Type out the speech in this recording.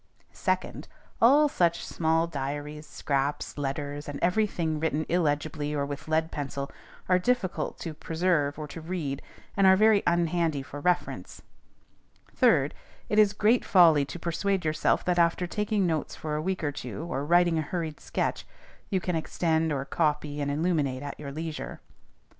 Second, All such small diaries, scraps, letters, and every thing written illegibly or with lead pencil, are difficult to preserve or to read, and are very unhandy for reference. Third, It is great folly to persuade yourself that after taking notes for a week or two, or writing a hurried sketch, you can extend or copy and illuminate at your leisure.